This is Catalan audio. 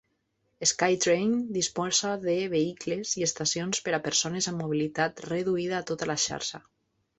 SkyTrain disposa de vehicles i estacions per a persones amb mobilitat reduïda a tota la xarxa.